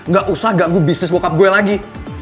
gak usah ganggu bisnis bokap gue lagi